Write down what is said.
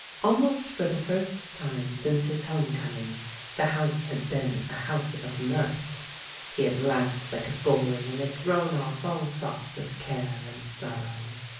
Almost for the first time since his home com ing, the house had been a house of mirth. He had laughed Hke a boy, and had thrown off all thoughts of care and sorrow.